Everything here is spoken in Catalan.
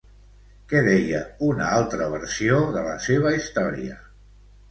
Què deia una altra versió de la seva història?